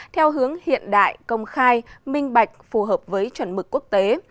theo hướng hiện đại công khai minh bạch phù hợp với chuẩn mực quốc tế